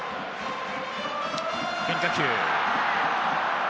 変化球。